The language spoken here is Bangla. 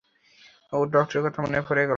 ডক্টরের কথা মন পড়ে গেলো!